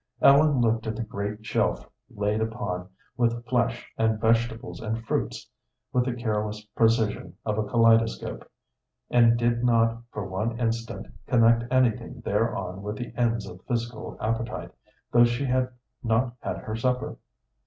Ellen looked at the great shelf laid upon with flesh and vegetables and fruits with the careless precision of a kaleidoscope, and did not for one instant connect anything thereon with the ends of physical appetite, though she had not had her supper.